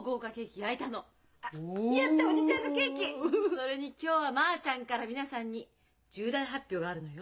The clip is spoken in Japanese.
それに今日はまあちゃんから皆さんに重大発表があるのよ。